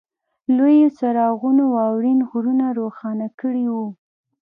لویو څراغونو واورین غرونه روښانه کړي وو